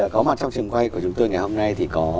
có mặt trong trường quay của chúng tôi ngày hôm nay thì có